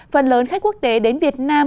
phần lớn khách quốc tế đến việt nam